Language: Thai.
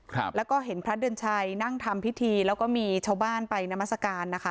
ครับแล้วก็เห็นพระเดือนชัยนั่งทำพิธีแล้วก็มีชาวบ้านไปนามัศกาลนะคะ